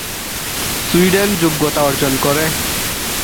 Sweden যোগ্যতা অর্জন করে।